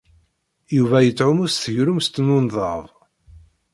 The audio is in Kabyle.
Yuba yettɛumu s tgelmust n unḍab.